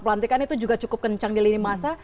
pelantikan itu juga cukup kencang di lini masa